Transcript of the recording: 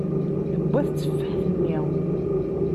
Tewwa tetteffaḥt-nni.